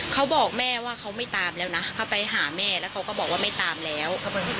เขาบอกแม่ว่าเขาไม่ตามแล้วนะเขาไปหาแม่แล้วเขาก็บอกว่าไม่ตามแล้ว